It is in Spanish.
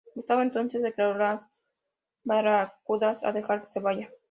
Gustavo entonces se declaró a las Barracudas a dejar que se vaya.